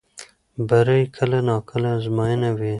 بری کله ناکله ازموینه وي.